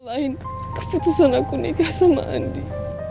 lain keputusan aku nikah sama andi